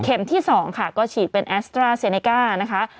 ที่๒ค่ะก็ฉีดเป็นแอสตราเซเนก้านะคะ